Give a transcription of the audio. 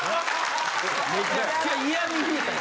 めちゃくちゃ嫌味言うたで。